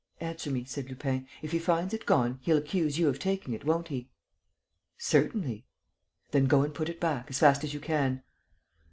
"Answer me," said Lupin. "If he finds it gone, he'll accuse you of taking it, won't he?" "Certainly." "Then go and put it back, as fast as you can."